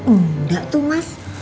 enggak tuh mas